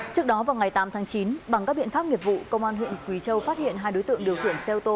trước đó vào ngày tám tháng chín bằng các biện pháp nghiệp vụ công an huyện quỳ châu phát hiện hai đối tượng điều khiển xe ô tô